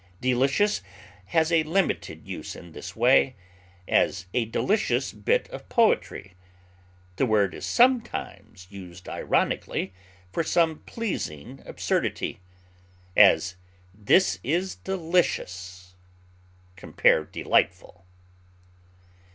Delicious has a limited use in this way; as, a delicious bit of poetry; the word is sometimes used ironically for some pleasing absurdity; as, this is delicious! Compare DELIGHTFUL.